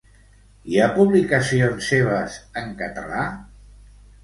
Hi ha publicacions seves en català?